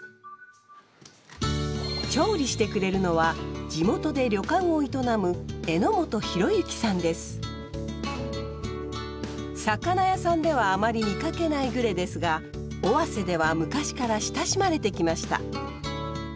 調理してくれるのは地元で旅館を営む魚屋さんではあまり見かけないグレですが尾鷲では昔から親しまれてきました。